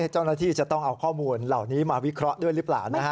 เจ้าหน้าที่จะต้องเอาข้อมูลเหล่านี้มาวิเคราะห์ด้วยหรือเปล่า